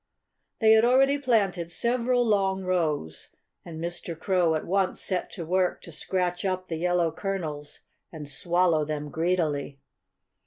They had already planted several long rows. And Mr. Crow at once set to work to scratch up the yellow kernels and swallow them greedily.